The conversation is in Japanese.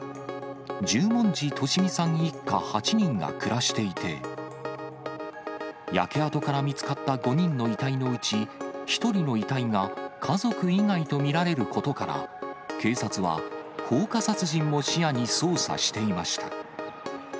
十文字利美さん一家８人が暮らしていて、焼け跡から見つかった５人の遺体のうち、１人の遺体が家族以外と見られることから、警察は、放火殺人も視野に捜査していました。